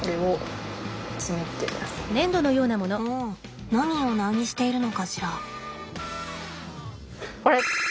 うん何をナニしているのかしら。